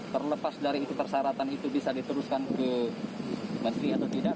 terlepas dari itu persyaratan itu bisa diteruskan ke menteri atau tidak